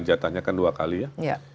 jatahnya kan dua kali ya